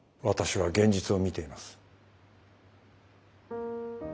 私は現実を見ています。